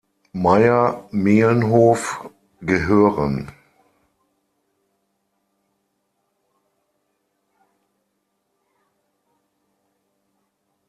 Mayr-Melnhof gehören.